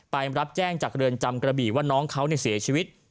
รับแจ้งจากเรือนจำกระบี่ว่าน้องเขาเสียชีวิต